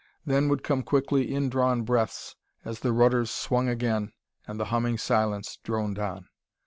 Then would come quickly indrawn breaths as the rudders swung again and the humming silence droned on.